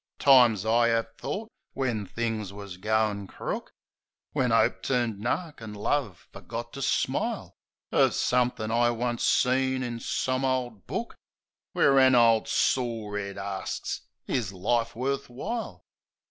Times I 'ave thought, when things was goin' crook, When 'Ope turned nark an' Love forgot to smile, Of somethin' I once seen in some ole book Where an ole sore 'ead arsts, "Is life worf w'ile?"